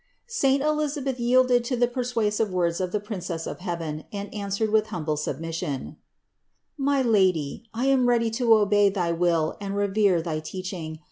264. Saint Elisabeth yielded to the persuasive words of the Princess of heaven and answered with humble submission : "My Lady, I am ready to obey thy will and revere thy teaching.